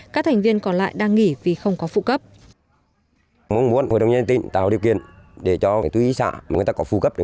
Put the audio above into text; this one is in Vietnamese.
các thành viên còn lại đang nghỉ vì không có phụ cấp